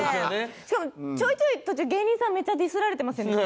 しかもちょいちょい途中芸人さんめっちゃディスられてませんでした？